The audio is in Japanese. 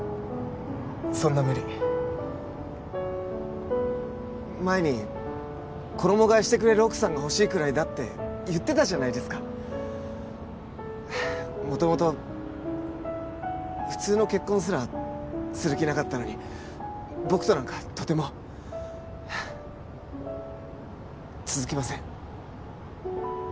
そんな無理前に「衣替えしてくれる奥さんがほしいくらいだ」って言ってたじゃないですか元々普通の結婚すらする気なかったのに僕となんかとても続きません